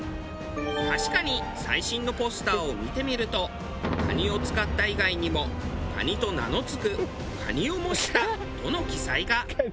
確かに最新のポスターを見てみると「蟹を使った」以外にも「蟹と名のつく」「蟹を模した」との記載が。